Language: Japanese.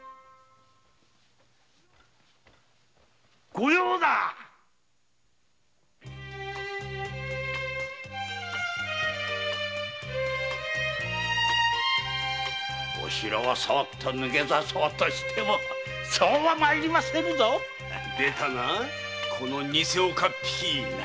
御用だ城を抜け出そうとしてもそうは参りませぬぞ出たな偽岡っ引。